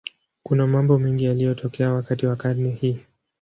Kuna mambo mengi yaliyotokea wakati wa karne hii.